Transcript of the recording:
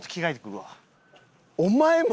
お前も？